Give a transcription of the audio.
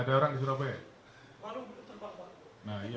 biasanya jangan disuruh jawab saya